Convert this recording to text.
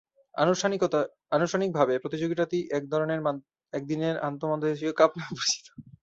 আনুষ্ঠানিকভাবে প্রতিযোগিতাটি একদিনের আন্তঃমহাদেশীয় কাপ নামে পরিচিত।